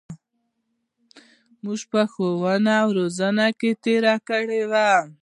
زمـوږ په ښـوونه او روزنـه کـې تېـر کـړى و.